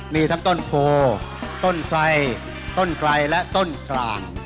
มีทั้งต้นโพต้นไสต้นไกลและต้นกลาง